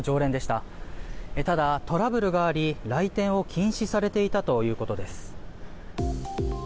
ただ、トラブルがあり来店を禁止されていたということです。